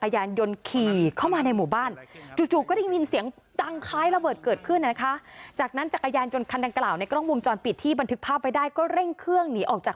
ยินเสียงดังคล้ายระเบิดเกิดขึ้นอะคะจากนั้นจักรยานยนต์คันดังกล่าวในกล้องวงจรปิดที่บันทึกภาพไว้ได้ก็เร่งเครื่องหนีออกจาก